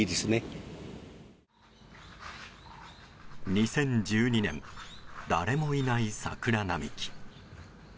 ２０１２年誰もいない桜並木。